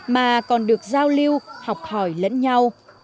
mà còn được giao lưu học hỏi lẫn nhau